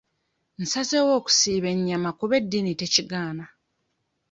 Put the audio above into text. Nnasazeewo okusiba ennyama kuba eddiini tekigaana.